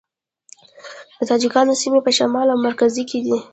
د تاجکانو سیمې په شمال او مرکز کې دي